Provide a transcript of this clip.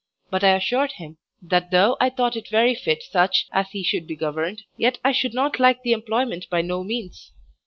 But I assured him, that though I thought it very fit such as he should be governed, yet I should not like the employment by no means.